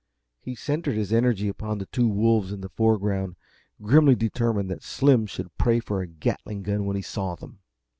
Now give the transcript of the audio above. He centered his energy upon the two wolves in the foreground, grimly determined that Slim should pray for a Gatling gun when he saw them.